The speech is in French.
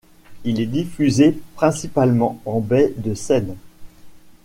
Il est diffusé principalement en Baie de Seine.